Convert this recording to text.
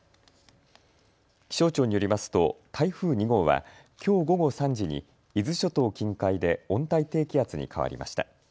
気象庁によりますと台風２号はきょう午後３時に伊豆諸島近海で温帯低気圧に変わりました。